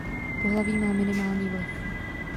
Pohlaví má minimální vliv.